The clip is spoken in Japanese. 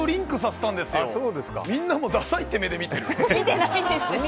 みんな、ダサいって目で見てる。